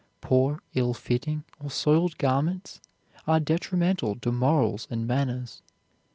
Poor, ill fitting, or soiled garments are detrimental to morals and manners.